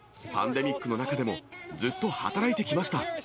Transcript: パンデミックの中でも、ずっと働いてきました。